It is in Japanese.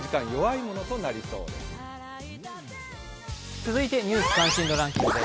続いて「ニュース関心度ランキング」です。